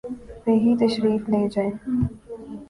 وہی تشریف لے جائیں۔